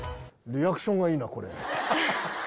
リアクションがいいな、これ。